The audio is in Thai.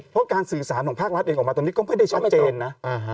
เพราะการสื่อสารของภาครัฐเองออกมาตอนนี้ก็ไม่ได้ชัดเจนนะ